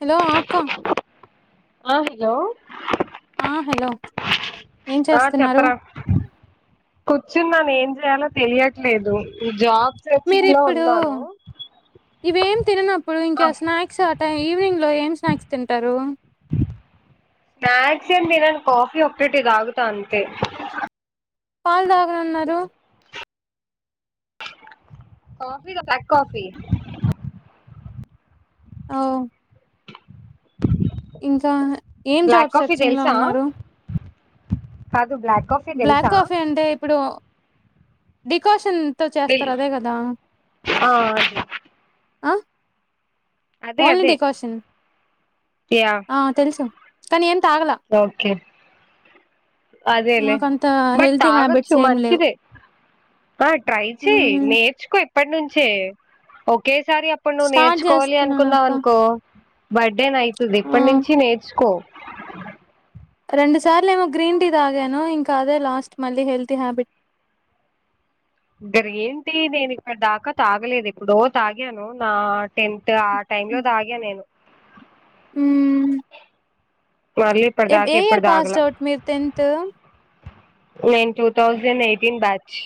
Hello ఆ అక్క ఆ హలో ఆ హలో ఏం ఆ చేస్తున్నారు చెప్పరా కూర్చున్నాను ఏం చేయాలో తెలియట్లేదు జాబ్ సెర్చింగ్ లో మీరిప్పుడు ఉన్నాను ఇవేం తిననప్పుడు ఆ ఇంకా స్నాక్స్ ఆ టై ఈవినింగ్ ఇంట్లో ఏం స్నాక్స్ తింటారు స్నాక్స్ ఏం తినను కాఫీ ఒక్కటి తాగుతా అంతే పాలు తాగనన్నారు కాఫీ బ్లాక్ కాఫీ ఓ ఇంకా ఏం జాబ్ సర్చింగ్ లో ఉన్నారు హ బ్లాక్ కాఫీ అంటే ఇప్పుడు డికాషన్ తో మిల్ చేస్తరు అదే కదా ఆ ఆ అదే ఓన్లీ అదే డికాషన్ యా ఆ తెలుసు కానీ ఏం తాగలా ఓకే అదేలే మాకంత బట్ హెల్తీ హ్యాబిట్స్ ఆగచ్చు ఏం లేవు మంచిదే ఆ ట్రై చెయ్ మ్మ్. నేర్చుకో ఇప్పటి నుంచే ఒకేసారి అప్పుడు నువ్వు స్టార్ట్ నేర్చుకోవాలి చేస్తున్నాను అక్క అనుకున్నావనుకో బర్డేన్ అయితది ఆ ఇప్పటి నుంచే నేర్చుకో రెండు సార్లు ఏమో గ్రీన్ టీ తాగాను ఇంకా అదే లాస్ట్ మళ్ళీ హెల్తీ హ్యాబిట్ ఇక్కడ ఏంటి నేను ఇక్కడ దాకా తాగలేదు ఎప్పుడో తాగాను నా టెన్త్ ఆ రెండూ తాగా నేను మ్మ్ మళ్ళీ ఇప్పటి ఏ దాకా ఇయర్ ఎప్పుడు పాస్ తాగల అవుట్ మీరు టెన్త్ నేన్ టూ థౌజండ్ ఎయిటీన్ బ్యాచ్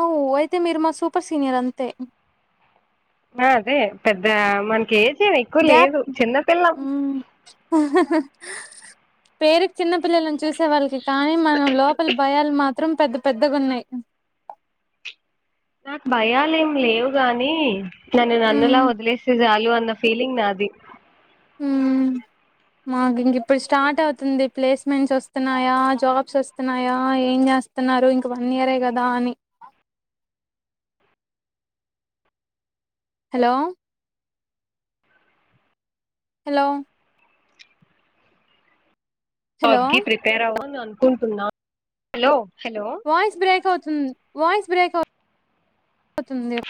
అవును అయితే మీరు మా సూపర్ సీనియర్ అంతే [inaudible] పెద్ద మనకి ఏం ఎక్కువ గ్యాప్ లేదు చిన్నపిల్లం మ్మ్ పేరు చిన్న పిల్లలను చూసే వాళ్ళకి కానీ మనం లోపల భయాలు మాత్ త్రం పెద్ద పెద్దగా ఉన్నాయి నాకు భయాలేమి లేవు గాని నన్ను నన్నులా హ్మ్ వదిలేసే చాలు ఇవన్న ఫీలింగ్ నాది మ్మ్ మాకు ఇంక ఇప్పుడు స్టార్ట్ అవుతుంది ప్లేస్మెంట్స్ వస్తున్నాయా జాబ్స్ వస్తున్నాయా ఏం చేస్తు న్నారు ఇంక వన్ ఇయరే కదా అని అ హలో హలో హలో జాబ్ కి ప్రిపేర్ [inaudible] అనుకుంటున్నా హలో హలో వాయిస్ బ్రేక్ అవుతుంది వాయిస్ బ్రేక్ అవుతుంది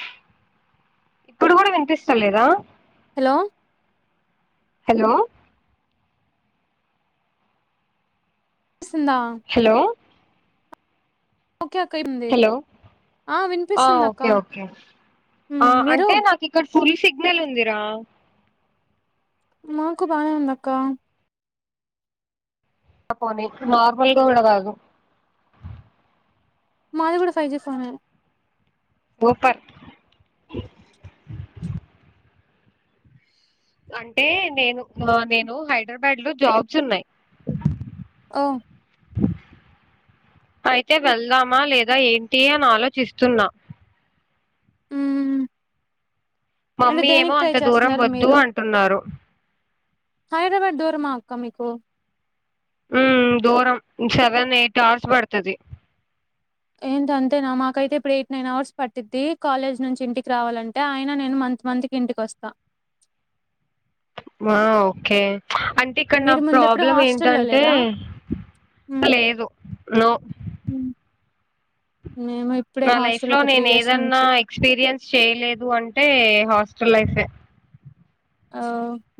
ఇప్పుడు కూడా వినిపిస్తలేదా హలో హలో పిస్తుందా హలో ఒకే ఒక్క ఏమ్దీ హలో ఆ ఓకే ఓకే ఆ హ్మ్ మీరు అంటే నాకు ఇక్కడ ఫుల్ సిగ్నల్ ఉందిరా మాకు బానే ఉందక్క పోనీ నార్మల్గా విడరాదు మాది కూడా ఫైవ్ జీ ఫోనే పోపట్ అంటే నేను నేను హైదరాబాద్ లో జాబ్స్ ఉన్నాయి ఓ [inaudible] అయితే వెళ్దామా లేదా ఏంటి అని ఆలోచిస్తున్నా మ్మ్మ్మ్ మమ్మీ ఏమో అంత దూరం వద్దు మీరు అంటున్నారు హైదరాబాద్ దూరమా అక్క మీకు ఉ దూరం సెవెన్ ఎయిట్ అవర్స్ పడుతది ఏంటి అంతేనా మాకైతే ఇప్పుడు ఎయిట్ నైన్ అవర్స్ పట్టిద్ది కాలేజ్ నుంచి ఇంటికి రావాలంటే అయిన నేను మంత్ మంత్ ఇంటికి వస్తా వా ఓకే అంటే ఇక్కడ నా మీరు ముందెప్పుడు ప్రాబ్లం హాస్టల్లో ఏంటంటే లేరా హ్మ్ లేదు నో హ్మ్ మేము ఇప్పుడే నా లైఫ్ హాస్టల్ లో ఒక త్రీ నేను ఇయర్స్ ఏదన్నా నుంచి ఎక్స్పీరియన్స్ చేయలేదు అంటే హాస్ స్టల్ లైఫె ఒ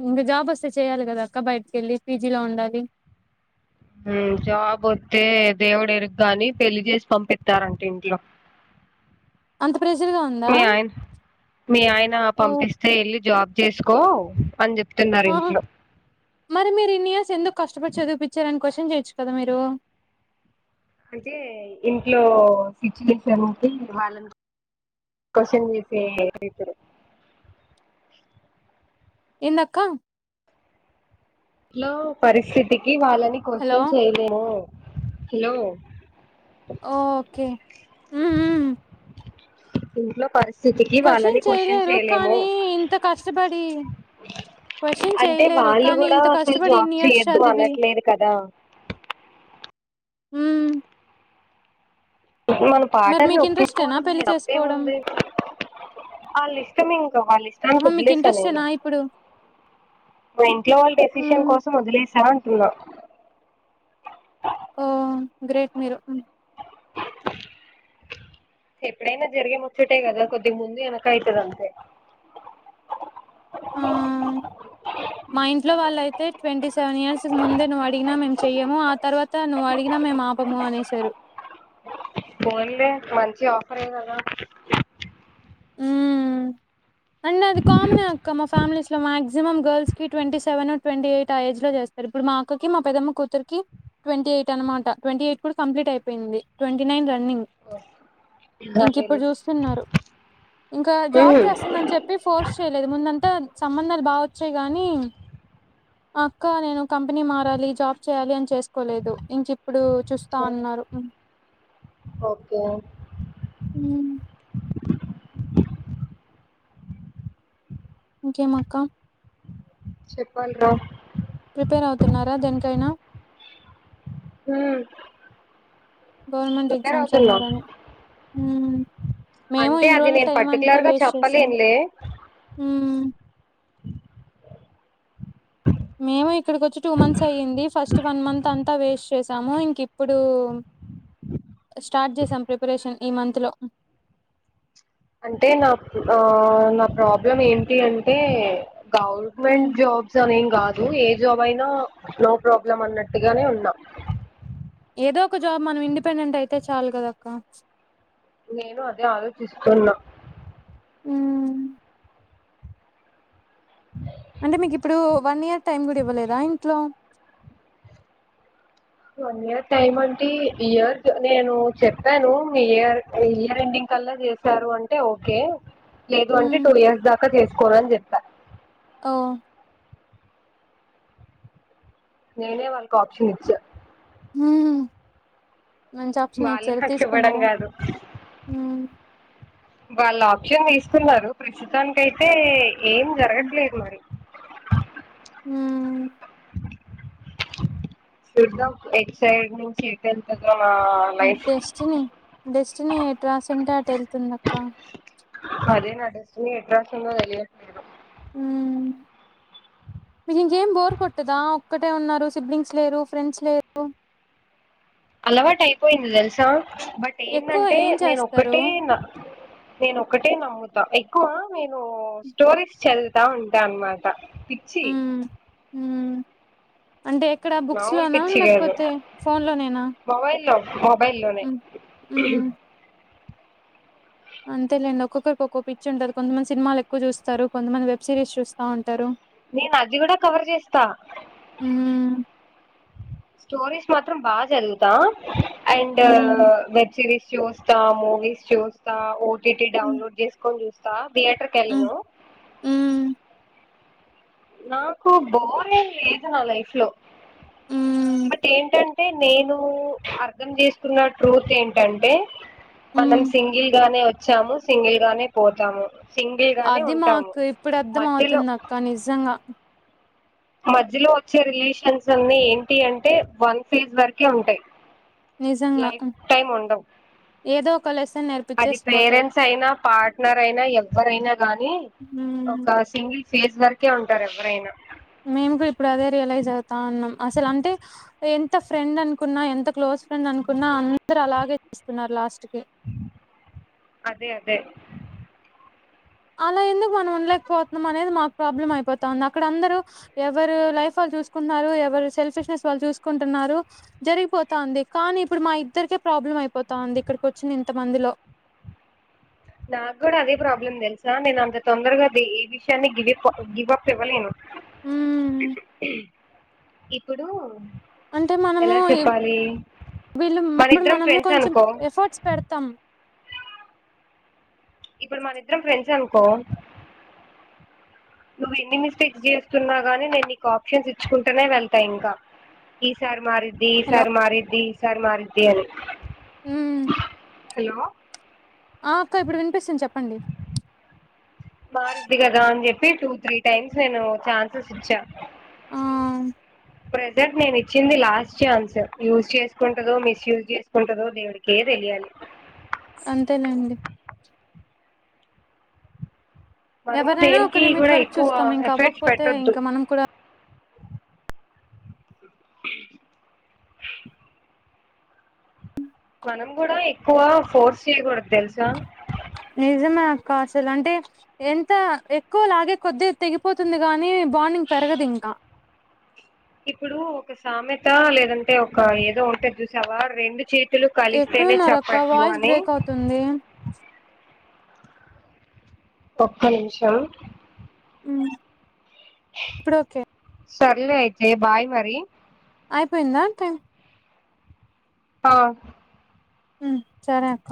ఇంకా జాబ్ వస్తే చేయ్యాలి కదా అక్క బయటికి వెళ్ళి పీజిలో ఉండాలి జాబ్ వత్తే దేవుడు ఎరుగుగాని పెళ్లి చేసి పంపిత్తరంట ఇంట్లో అంత ప్రెజర్ గా ఉందా మీ ఆయన మీ ఆయన ఓ పంపిస్తే ఎళ్ళి జాబ్ చేసుకో అని చెప్ ఆ మరి మీరు ఇన్ని ఇయర్స్ ఎందుకు కష్ కష్టపడి చదివిపించారని క్వశ్చన్ చేయొచ్చు కదా మీరు అంటే ఇంట్లో సిచ్యువేషన్స్ వాళ్ళని క్వశ్చన్ చేసే రైటు ఎందక్క ట్లో పరిస్థితికి వాళ్ళని హలో క్వశ్చన్ చేయలేము హలో ఓకే ఉ ఉ ఇంట్లో పరిస్థితికి వాళ్ళని క్వశ్చన్ చేయలేరు చేయలేము కానీ ఇంత కష్టపడి క్వశ్చన్ అంటే చేయలేరు వాళ్ళు కానీ కూడా ఇంత అసలు కష్టపడి జాబ్ ఇన్ని ఇయర్స్ చేయొద్దు చదివి అనట్లేదు కదా ఉ మన పాటర్ని మీకు ఇంట్రెస్టేనా ఒప్పించుకోవడమే పెళ్లి చేసుకోవడం తప్పేముంది ఆ లిస్టమ్ ఇంక వాళ్ళ ఇష్టానికి ఆహా! మీకు వదిలేసా నేను ఇంట్రెస్టేనా ఇప్పుడు? మా ఇంట్లో వాళ్ళు డెసిషన్ హ్మ్. కోసం వదిలేసా అంటున్నా ఓ గ్రేట్ మీరు ఎప్పుడైనా జరిగే ముచ్చటే కదా కొద్దిగా ముందు వెనక అయితది అంతే ఆ! మా ఇంట్లో వాళ్ళయితే ట్వంటీ సెవెన్ ఇయర్స్ కి ముందే నువ్వు అడిగినా మేము చెయ్యము తర్వాత నువ్వు అడిగినా మేము ఆపము అనేసారు పోన్లే మంచి ఆఫరె కదా ఉ అండ్ అది కామనే అక్క మా ఫ్యామిలీస్ ఇట్లా మాక్సిమం గర్ల్స్ కి ట్వంటీ సెవెన్ ట్వంటీ ఎయిట్ ఆ ఏజ్ లో చేస్తారు ఇప్పుడు మా అక్క కి మా పెద్దమ్మ కూతురికి ట్వంటీ ఎయిట్ అనమాట ట్వీ ఎయిట్ కూడా కంప్లీట్ అయిపోయింది ట్వంటీ నైన్ రన్ రన్నింగ్ అదేలే ఇంకిప్పుడు చూస్తున్నారు ఇంకా జాబ్ ఉమ్ చేస్తుందని చెప్పి ఫోర్స్ చేయలేదు ముందు అంత సంబంధాలు బా వచ్చాయి గానీ అక్క నేను కంపెనీ మారాలి జాబ్ చేయాలి అని చేసుకోలేదు ఇంకిప్ ఇప్పుడు చూస్తాన్నారు ఓకే ఉ ఇంకేం అక్క చెప్పాలి రా ప్రిపేర్ అవుతున్నారా దేనికైనా హ్మ్ గవర్నమెంట్ ప్రిపేర్ ఎగ్జామ్స్ అవుతున్నా అన్నారని హ్మ్ మేము అంటే ఇన్ని అది రోజులు నేను టైం అంతా పర్టికులర్ గా వేస్ట్ చేసాం. చెప్పలేనులే మేము ఇక్కడిక వచ్చి టూ మంత్స్ అయ్యింది ఫస్ట్ వన్ మంత్ అంతా వేస్ట్ చేసాము ఇంక ఇప్పుడు. [inaudible] స్టార్ట్ చేసాం ప్రిపరేషన్ ఈ మంత్ లో అంటే నా ఆ నా ప్రాబ్లం ఏంటి అంటే హ్మ్. గవర్నమెంట్ జాబ్స్ అనేంగాద్ ఏ జాబ్ అయినా నో ప్రాబ్లం అన్నట్టుగానే ఉన్నా ఏదో ఒక జాబ్ మనం ఇండిపెండెంట్ అయితే చాలు కదక్క నేను అదే ఆలోచిస్తున్నా ఉ అంటే మీకు ఇప్పుడు వన్ ఇయర్ టైమ్ గు ఇవ్వలేదా ఇంట్లో వన్ ఇయర్ టైమ్ అంటే ఇయర్ నేను చెప్పాను మీ ఇయర్ ఇయర్ ఎండింగ్ కల్లా చేసారు అంటే ఓకే లేదు అంటే హ్మ్. టూ ఇయర్స్ దాకా చేసుకోని అని చెప్ ఓ నేనే వాళ్ళకు ఓప్షన్ ఇచ్చ హ్మ్ మంచి ఆప్షన్ వాళ్ళు ఇచ్చారు నాకు ఇవ్వడం తీసుకున్నారా కాదు హ్మ్ వాళ్ళు ఆప్షన్ తీస్తున్నారు ప్రస్తుతానినికి అయితే ఏం హ్మ్. జరగట్లేదు మరి. హ్మ్ చూద్దాం ఎట్ సైడ్ నుంచి ఎటిల్తదో డెస్టినీ డెస్టినీ ఎ ట్రాస్ అంటే అటు వెళ్తుందిక్క పదే నాడెస్టిని ఎట్రాస్ తెలియట్లేదు. మీకు ఇంకేం బోర్ కొట్టదా ఒక్కటే ఉన్నారు సిబ్లింగ్స్ లేరు ఫ్రెండ్స్ లేరు అలవాటు అయిపోయింది తెలుసా. బట్ ఎక్కువ ఏంటంటే ఏం నేన చేస్తారు ఒక్కటే నేన ఒక్కటే నమ్మదు ఎక్కువ నేను స్టోరీస్ చదుతా ఉంటా అన్నమాట పిచ్చి హ్మ్ హ్మ్ అంటే ఎక్కడ బుక్స్ మామూలు లోనా పిచ్చి కాదు లేకపోతే ఫోన్ లోనేనా మొబైల్ లోనే హ్మ్ అంతేలేం ఒక్కొక్కరికి ఒక్కో పిచ్చి ఉంటది కొంతమంది సినిమాలు ఎక్కువ చూస్తారు కొంతమంది వెబ్ సిరీస్ చూస్తా ఉంటారు నేను అది కూడా కవర్ చేస్తా హ్మ్ స్టోరీస్ మాత్రం బాగా చదువుతా అండ్ హ్మ్ వెబ్ సిరీస్ చూస్తా మూవీస్ చూస్తా ఓటీటి హ్మ్ డౌన్లోడ్ చేసుకొని చూస్తా థియేటర్కి హ్మ్ ఎళ్లను హ్మ్ నాకు బోరేం లేదు నా లైఫ్ లో హ్మ్ బట్ ఏంటంటే నేను అర్థం చేసుకున్న ట్రూత్ ఏంటంటే మనం హ్మ్ సింగిల్ గానే వచ్చాము సింగిల్ గానే పోతాము. సింగిల్ గానే అది ఉంటాము మాకు ఇప్పుడు అర్థం మధ్యలో అవుతుంది అక్క నిజంగా మధ్యలో వచ్చే రిలేషన్స్ అన్ని ఏంటి అంటే వన్ ఫేజ్ వరకే ఉంటాయి నిజంగా లైఫ్ హ్మ్. టైమ్ ఉండవు ఏదో ఒక లెసన్ అది నేర్పించేసి పోతాయి పేరెంట్స్ అయినా పార్ట్నర్ అయినా ఎవ్వరైనా గానీ హ్మ్ ఒక సింగిల్ ఫేజ్ వరకే ఉంటారు ఎవరైనా మేము కూడా ఇప్పుడు అదే రియలైజ్ అవుతా అన్నాం అసలు అంటే ఎంత ఫ్రెండ్ అనుకున్నా ఎంత క్లోజ్ ఫ్రెండ్ అనుకున్నా అందరు అలాగే ఇస్తున్నారు లాస్ట్ కి అదే అదే అలా ఎందుకు మనం ఉండలేకపోతున్నాం అనేది మాకు ప్రాబ్లం అయిపోతంది అక్కడ అందరుూ ఎవరు లైఫ్ చూ ఎవ సెల్ఫె వాళ్ళు చూసుకుంటు జరిగిపోతుంది కానీ ఇప్పుడు మా ఇద్దరిక ప్రాబ్లం అయిపోతంది ఇక్కడికి వచ్చింది ఇంత మందిలో నాకు కూడా అదే ప్రాబ్లం తెలుసా నేను అంత తొందరగా ఏ విషయాన్ని గివిప గివ్ అప్ ఇవ్వలేను ఉమ్ ఇప్పుడు అంటే మనము ఎలా ఈ- చెప్పాలి వీళ్ళు మన ఇప్పుడు ఇద్దరం మనము ఫ్రెండ్స్ కొంచెం అనుకో ఎఫర్ట్స్ పెడతాం ఇప్పుడు మనిద్దరం ఫ్రెండ్స్ అనుకో నువ్వు ఎన్ని మిస్టేక్ చేస్తున్నా గాని నేను నీకు ఆప్షన్స్ ఇచ్చుకుంటేనే వెళ్త ఇంకా ఈ సారి మారిద్ది ఈ హలో సారి మారిద్ది ఈ సారి మారిద్ది అని ఉమ్ హలో ఆ అక్క ఇప్పుడు వినిపిస్తుంది చెప్పండి. మారిద్ది కదా అని చెప్పి టూ త్రీ టైమ్స్ నేను ఛాన్సెస్ ఇచ్చా ఆ ప్రెజెంట్ నే వచ్చింది లాస్ట్ ఛాన్స్ యూస్ చేసుకుంటదో మిస్ యూస్ చేసుకుంటదో దేవుడికే తెలియాలి అంతేలేండి మనము ఎవరైనా ఒక దేనికి లిమిట్ కూడా వరకు ఎక్కువ చూస్తాం ఇంక ఎఫర్ట్స్ అవ్వకపోతే పెట్టొద్దు ఇంకా మనం కూడా మనం కూడా ఎక్కువ ఫోర్స్ చేయకూడదు తెలుసా నిజమే అక్క అసలు అంటే ఎంత ఎక్కువలాగే కొద్ది తెగిపోతుంది గానీ బాండింగ్ పెరగదు ఇంకా ఇప్పుడు ఒక సామెత లేదంటే ఒక ఏదో ఉంటే చూసావా రెండు చేతి చేతులు కలిస్తేనే ఎక్కడున్నారు అక్క చప్పట్లు వాయిస్ అని బ్రేక్ అవుతుంది ఒక్క నిమిషం ఉమ్ ఇప్పుడు ఓకే సర్లే అయితే బాయ్ మరి అయిపోయిందా టైమ్ ఆ ఉ సరే అక్క